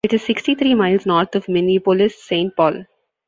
It is sixty-three miles north of Minneapolis-Saint Paul.